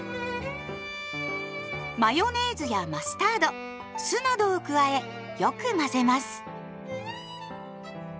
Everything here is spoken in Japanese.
マヨネーズやマスタード酢などを加えよく混ぜます。